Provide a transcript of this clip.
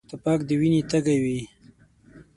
توپک د وینې تږی وي.